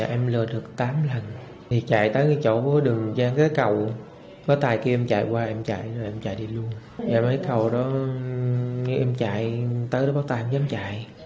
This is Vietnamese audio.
em lừa được tám lần chạy tới chỗ đường gian kế cầu có tài kiếm chạy qua em chạy